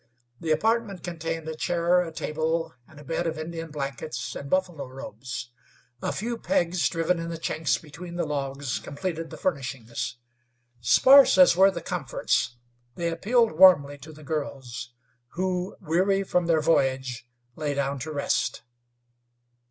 The apartment contained a chair, a table, and a bed of Indian blankets and buffalo robes. A few pegs driven in the chinks between the logs completed the furnishings. Sparse as were the comforts, they appealed warmly to the girls, who, weary from their voyage, lay down to rest.